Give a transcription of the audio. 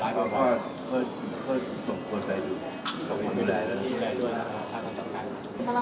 แล้วกับการเคารพจากนักการเมืองอันนี้